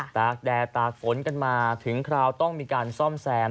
ตากแดดตากฝนกันมาถึงคราวต้องมีการซ่อมแซม